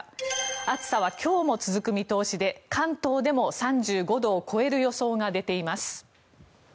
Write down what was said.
暑さは今日も続く見通しで関東でも３５度を超える予想が出ています。